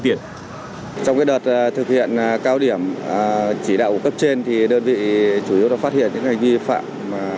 trong đợt thực hiện cao điểm chỉ đạo cấp trên đơn vị chủ yếu phát hiện những hành vi vi phạm